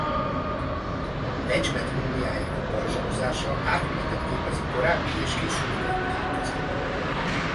Nedzsmet múmiájának balzsamozása átmenetet képez a korábbi és későbbi technikák között.